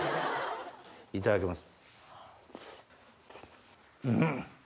いただきます。